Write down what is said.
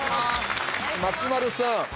松丸さん。